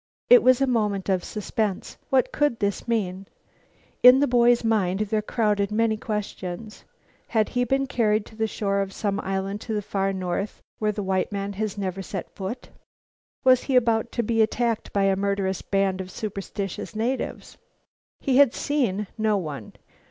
It was a moment of suspense. What could this mean? Into the boy's mind there crowded many questions. Had he been carried to the shore of some island of the far north where the white man had never set foot? Was he about to be attacked by a murderous band of superstitious natives? He had seen no one.